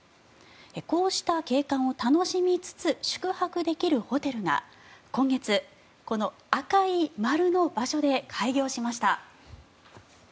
こうした景観を楽しみつつ宿泊できるホテルが今月、この赤い丸の場所で開業しました。